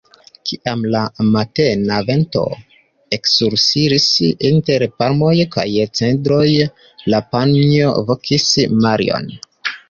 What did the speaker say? Kiam la matena vento eksusuris inter palmoj kaj cedroj, la panjo vokis Marion.